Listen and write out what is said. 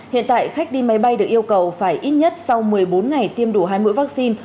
hiện tại khách đi máy bay được yêu cầu phải ít nhất sau một mươi bốn ngày tiêm đủ hai mũi vaccine